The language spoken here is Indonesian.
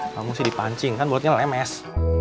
kamu sih dipancing kan bulatnya lemes